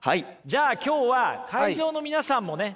じゃあ今日は会場の皆さんもね